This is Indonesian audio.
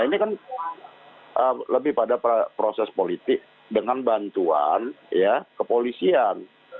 ini kan lebih pada proses politik dengan bantuan ya kepolisian